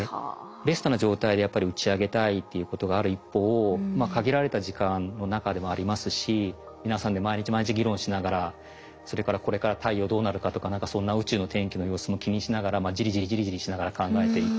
ベストな状態でやっぱり打ち上げたいっていうことがある一方限られた時間の中でもありますし皆さんで毎日毎日議論しながらそれからこれから太陽どうなるかとかそんな宇宙の天気の様子も気にしながらジリジリジリジリしながら考えていて。